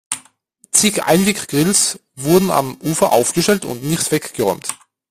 Zig Einweggrills wurden am Ufer aufgestellt und nicht weggeräumt.